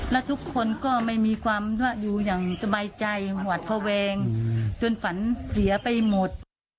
และทุกคนก็ไม่มีความอยู่อย่างสบายใจหวาดภาวะแวงจนฝันเสียไปหมด